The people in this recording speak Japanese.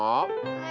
はい。